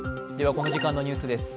この時間のニュースです。